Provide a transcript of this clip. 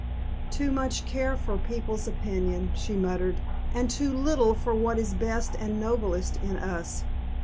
"Too much care for people's opinion," she murmured, "and too little for what is best and noblest in us.